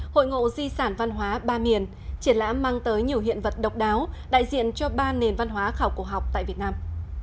hội ngộ di sản văn hóa ba miền triển lãm mang tới nhiều hiện vật độc đáo đại diện cho ba nền văn hóa khảo cổ học tại việt nam